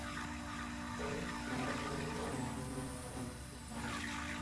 中国当代女演员和作家。